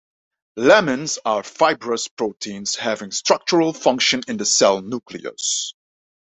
Lamins are fibrous proteins having structural function in the cell nucleus.